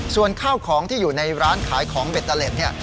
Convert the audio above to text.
ส่วนข้าวของที่อยู่ในร้านขายของเบตเตอร์เล็ตเนี่ย